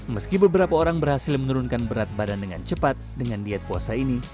meski beberapa orang berhasil menurunkan berat badan dengan cepat dengan diet puasa ini